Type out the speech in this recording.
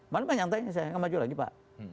mana banyak tanya saya tidak maju lagi pak